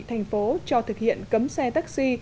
thành phố cho thực hiện cấm xe taxi